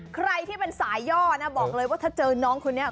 ใครที่เป็นสายย่อนะบอกเลยว่าถ้าเจอน้องคนนี้